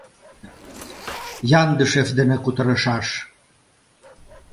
— Яндышев дене кутырышаш!